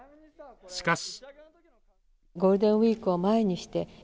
しかし。